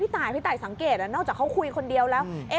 ตายพี่ตายสังเกตนอกจากเขาคุยคนเดียวแล้ว